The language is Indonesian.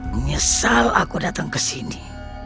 menyesal aku datang ke sini